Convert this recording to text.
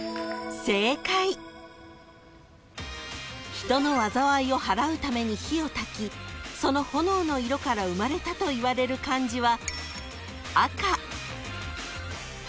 ［人の災いをはらうために火をたきその炎の色から生まれたといわれる漢字は］